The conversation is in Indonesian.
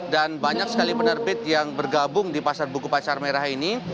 dan banyak sekali penerbit yang bergabung di pasar buku pacar merah ini